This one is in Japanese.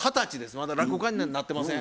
まだ落語家になってません。